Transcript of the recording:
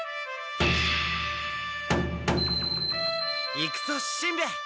いくぞしんべヱ！